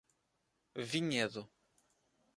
Vinhedo